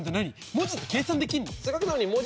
文字って計算できんの？